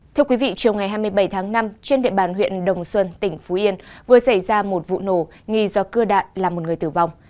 thưa quý vị chiều ngày hai mươi bảy tháng năm trên địa bàn huyện đồng xuân tỉnh phú yên vừa xảy ra một vụ nổ nghi do cưa đạn là một người tử vong